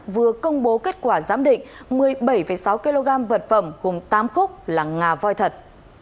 vừa công bố kết quả giám định một mươi bảy sáu kg vật phẩm gồm tám khúc là ngà voi thật